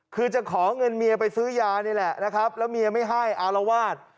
คือจะขอเงินเมียไปซื้อยานี่แหละนะครับแล้วเมียไม่ให้อารวาส